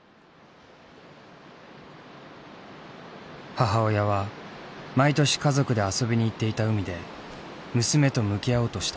母親は毎年家族で遊びに行っていた海で娘と向き合おうとした。